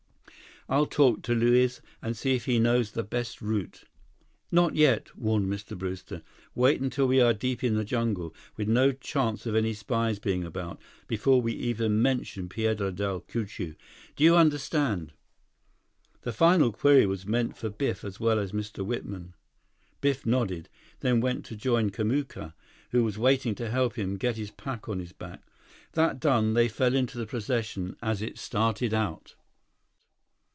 "I'll talk to Luiz and see if he knows the best route—" "Not yet!" warned Mr. Brewster. "Wait until we are deep in the jungle, with no chance of any spies being about, before we even mention Piedra Del Cucuy. Do you understand?" The final query was meant for Biff as well as Mr. Whitman. Biff nodded, then went to join Kamuka, who was waiting to help him get his pack on his back. That done, they fell into the procession as it started out.